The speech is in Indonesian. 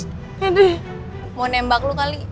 edi mau nembak lu kali